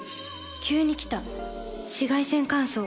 急に来た紫外線乾燥。